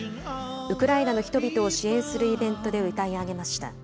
ウクライナの人々を支援するイベントで歌い上げました。